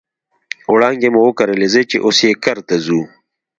وړانګې مو وکرلې ځي چې اوس یې کرته ورځو